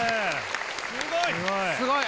すごい。